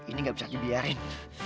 ini gak bisa dibiarin